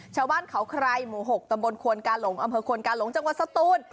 ชาวบ้านเขาใครหมู่๖ตำบลควนกาหลงอำเภอควนกาหลงจังหวัดสตูน